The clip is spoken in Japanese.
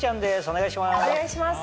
お願いします。